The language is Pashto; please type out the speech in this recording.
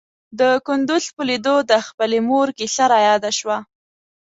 د کندوز په ليدو د خپلې مور کيسه راياده شوه.